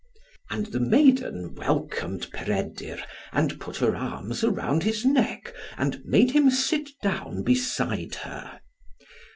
And the maiden welcomed Peredur, and put her arms about his neck, and made him sit down beside her.